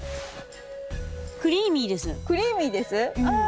クリーミーです？